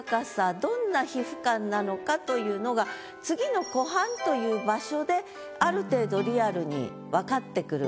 どんな皮膚感なのかというのが次の「湖畔」という場所である程度なるほど。